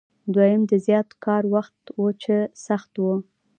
دویم د زیات کار وخت و چې سخت و.